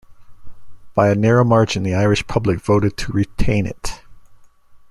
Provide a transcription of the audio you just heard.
By a narrow margin, the Irish public voted to retain it.